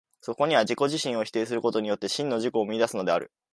そこには自己自身を否定することによって、真の自己を見出すのである。